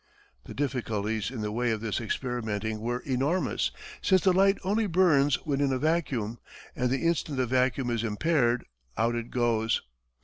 The difficulties in the way of this experimenting were enormous, since the light only burns when in a vacuum, and the instant the vacuum is impaired, out it goes.